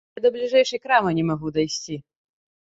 Я да бліжэйшай крамы не магу дайсці.